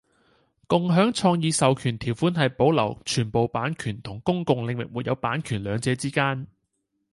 共享創意授權條款係保留全部版權同公共領域沒有版權兩者之間